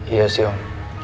iya sih om